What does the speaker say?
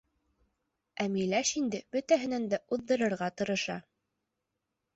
Ә Миләш инде бөтәһенән дә уҙҙырырға тырыша.